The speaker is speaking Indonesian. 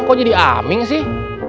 kok jadi aming sih